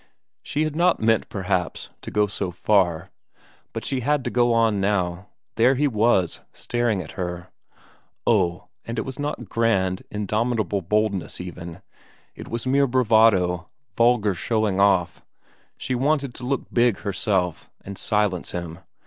She had not meant, perhaps, to go so far, but she had to go on now; there he was, staring at her. Oh, and it was not grand, indomitable boldness even; it was mere bravado, vulgar showing off; she wanted to look big herself, and silence him.